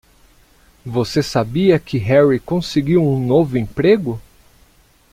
Você sabia que Harry conseguiu um novo emprego?